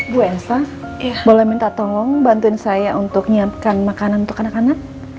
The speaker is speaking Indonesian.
bu elsa boleh minta tolong bantuin saya untuk nyiapkan makanan untuk anak anak